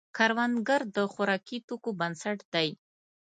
کروندګر د خوراکي توکو بنسټ دی